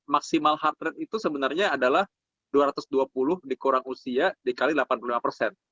maksimal heart rate itu sebenarnya adalah dua ratus dua puluh dikurang usia dikali delapan puluh lima persen